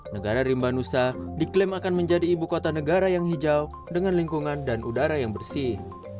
negara rimba nusa diklaim akan menjadi ibu kota negara yang hijau dengan lingkungan dan udara yang bersih